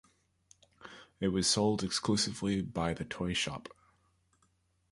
It was sold exclusively by The Toy Shoppe.